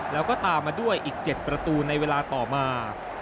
แล้วก็ตามมาด้วยอีก๗ประตูในเวลาต่อมา